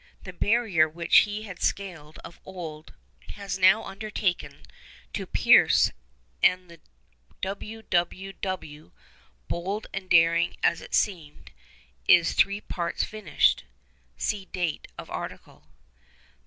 The barrier which he had scaled of old he has now undertaken to pierce. And the wwww—bold and daring as it seemed—is three parts finished. (See date of article.)